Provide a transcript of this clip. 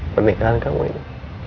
pemikiran kamu ini